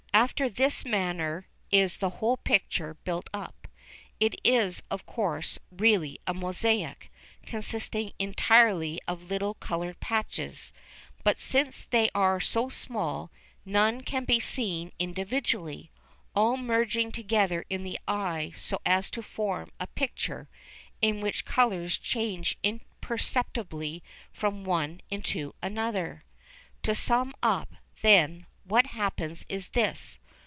After this manner is the whole picture built up. It is, of course, really a mosaic, consisting entirely of little coloured patches, but since they are so small none can be seen individually, all merging together in the eye so as to form a picture in which colours change imperceptibly from one into another. To sum up, then, what happens is this.